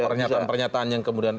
pernyataan pernyataan yang kemudian